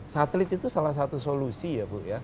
satelit itu salah satu solusi ya